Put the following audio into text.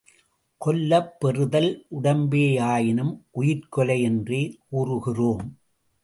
கொல்லப் பெறுதல் உடம்பேயாயினும், உயிர்க்கொலை என்றே கூறுகிறோம்.